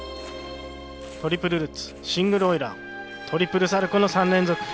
トリプルルッツシングルオイラートリプルサルコーの３連続。